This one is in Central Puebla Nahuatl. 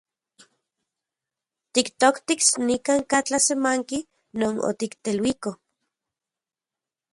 Tiktoktis nikan’ka tlasemanki non otikteluiko.